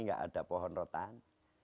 nggak ada pohon rotan